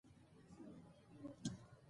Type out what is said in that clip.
که پیچ وي نو پیوند نه سستیږي.